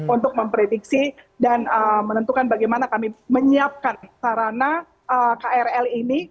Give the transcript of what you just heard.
untuk memprediksi dan menentukan bagaimana kami menyiapkan sarana krl ini